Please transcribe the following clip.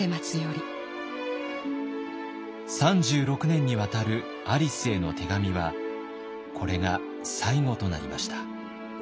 ３６年にわたるアリスへの手紙はこれが最後となりました。